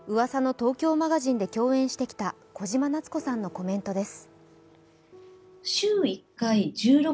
東京マガジン」で共演してきた小島奈津子さんのコメントです。